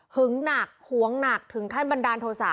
ึงหนักหวงหนักถึงขั้นบันดาลโทษะ